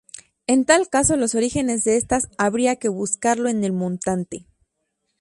En tal caso los orígenes de estas habría que buscarlo en el montante.